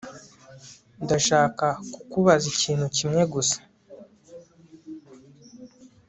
ndashaka kukubaza ikintu kimwe gusa